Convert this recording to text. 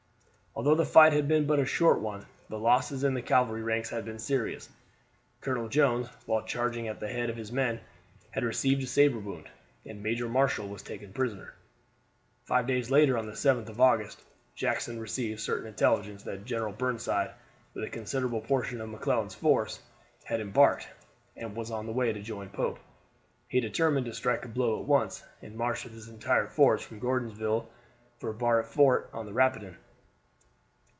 Although the fight had been but a short one the losses in the cavalry ranks had been serious. Colonel Jones, while charging at the head of his men, had received a saber wound, and Major Marshall was taken prisoner. Five days later, on the 7th of August, Jackson received certain intelligence that General Burnside, with a considerable portion of McClellan's force, had embarked, and was on the way to join Pope. He determined to strike a blow at once, and marched with his entire force from Gordonsville for Barnett Ford on the Rapidan.